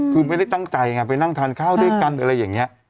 คือไม่ได้ตั้งใจไงไปนั่งทานข้าวด้วยกันอะไรอย่างนี้